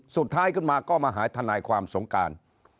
สุดท้ายขึ้นมาก็มาหาทนายความสงการ